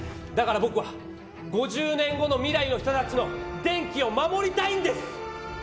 だからぼくは５０年後の未来の人たちの電気を守りたいんです！